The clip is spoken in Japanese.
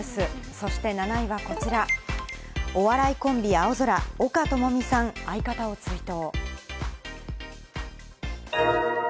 そして７位はこちら、お笑いコンビ青空・岡友美さん、相方を追悼。